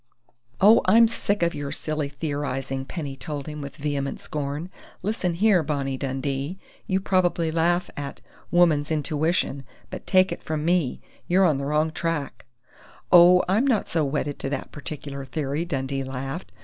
"Oh, I'm sick of your silly theorizing!" Penny told him with vehement scorn. "Listen here, Bonnie Dundee! You probably laugh at 'woman's intuition', but take it from me you're on the wrong track!" "Oh, I'm not so wedded to that particular theory!" Dundee laughed.